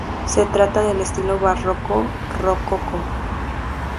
Se trata del estilo barroco-rococó.